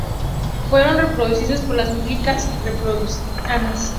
Fueron reducidos por las milicias republicanas.